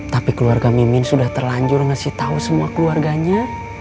tapi keluarga mimin sudah terlanjur ngasih tahu semua keluarganya